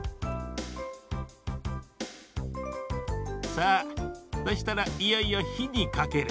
さあそしたらいよいよひにかける。